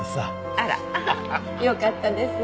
あらよかったですね。